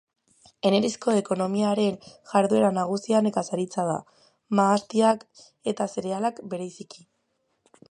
Enerizko ekonomiaren jarduera nagusia nekazaritza da, mahastiak eta zerealak bereziki.